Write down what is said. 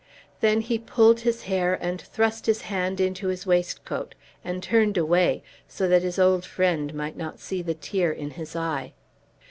Then he pulled his hair, and thrust his hand into his waistcoat; and turned away, so that his old friend might not see the tear in his eye.